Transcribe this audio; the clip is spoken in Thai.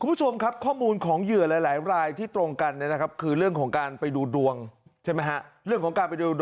คุณผู้ชมครับข้อมูลของเหลือหลายรายที่ตรงกันคือเรื่องของการไปดูดวง